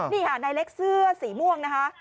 นี่ค่ะนายเล็กเสื้อสีม่วงนะคะ